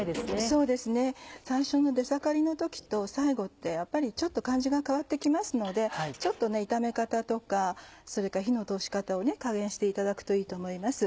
そうですね最初の出盛りの時と最後ってやっぱりちょっと感じが変わって来ますのでちょっと炒め方とか火の通し方をね加減していただくといいと思います。